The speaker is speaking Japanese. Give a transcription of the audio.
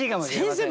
先生